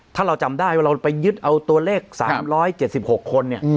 ถ้าเราจำได้ว่าเราไปยึดเอาตัวเลขสามร้อยเจ็ดสิบหกคนเนี่ย